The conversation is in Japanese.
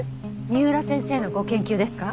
三浦先生のご研究ですか？